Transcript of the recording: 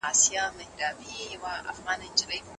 که مسواک وي نو خوله نه بوی کوي.